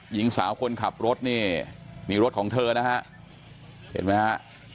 หญิงสาวคนขับรถนี่มีรถของเธอนะฮะเห็นไหมฮะ